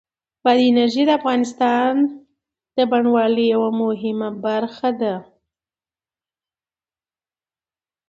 بادي انرژي د افغانستان د بڼوالۍ یوه مهمه برخه ده.Shutterstock